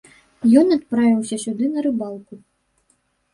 Ён адправіўся сюды на рыбалку.